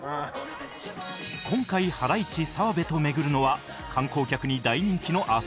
今回ハライチ澤部と巡るのは観光客に大人気の浅草